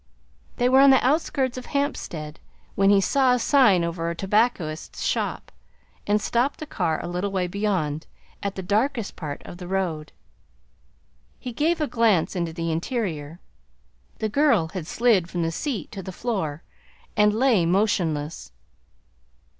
They were on the outskirts of Hampstead when he saw a sign over a tobacconist's shop, and stopped the car a little way beyond, at the darkest part of the road. He gave a glance into the interior. The girl had slid from the seat to the floor and lay motionless.